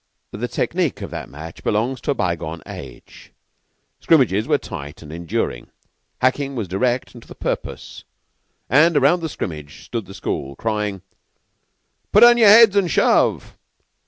The technique of that match belongs to a bygone age. Scrimmages were tight and enduring; hacking was direct and to the purpose; and around the scrimmage stood the school, crying, "Put down your heads and shove!"